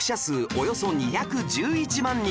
およそ２１１万人